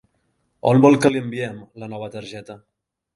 On vol que li enviem la nova targeta?